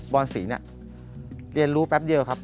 อนศรีเนี่ยเรียนรู้แป๊บเดียวครับ